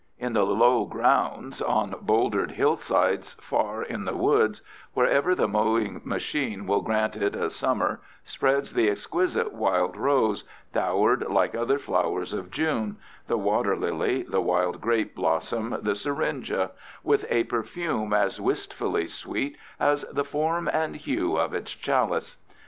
In the lowgrounds, on bowldered hillsides, far in the woods, wherever the mowing machine will grant it a summer, spreads the exquisite wild rose, dowered like other flowers of June—the water lily, the wild grape blossom, the syringa—with a perfume as wistfully sweet as the form and hue of its chalice.